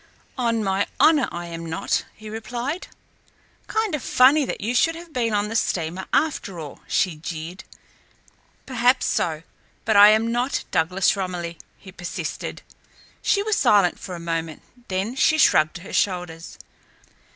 "On my honour I am not," he replied. "Kind of funny that you should have been on the steamer, after all," she jeered. "Perhaps so, but I am not Douglas Romilly," he persisted. She was silent for a moment, then she shrugged her shoulders.